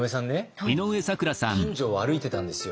近所を歩いてたんですよ。